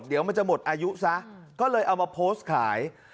เดี๋ยวมันจะหมดอายุซะก็เลยเอามาโพสต์ขาย